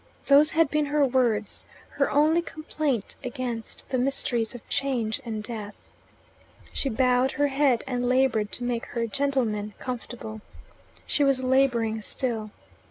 Those had been her words, her only complaint against the mysteries of change and death. She bowed her head and laboured to make her "gentlemen" comfortable. She was labouring still.